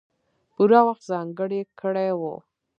پوره وخت ځانګړی کړی وو.